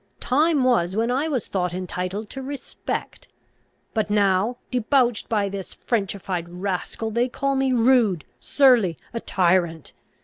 Time was when I was thought entitled to respect. But now, debauched by this Frenchified rascal, they call me rude, surly, a tyrant!